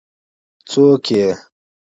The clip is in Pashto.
څوک يې؟